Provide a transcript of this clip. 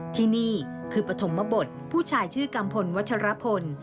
ที่นี่คือปฐมบทผู้ชายชื่อกัมพลวัชรพล